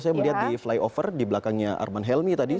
saya melihat di flyover di belakangnya arman helmi tadi